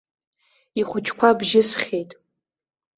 Ихәыҷқәа бжьысхьеит.